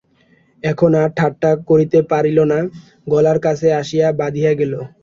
এখন আর ঠাট্টা করিতে পারিল না, গলার কাছে আসিয়া বাধিয়া গেল।